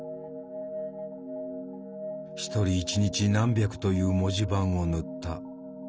一人一日何百という文字盤を塗った。